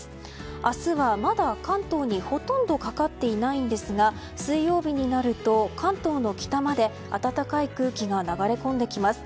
明日は、まだ関東にほとんどかかっていないんですが水曜日になると関東の北まで暖かい空気が流れ込んできます。